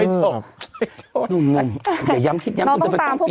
โทษอย่าย้ำคิดย้ำคุณจะไปต้องปีอ่ะ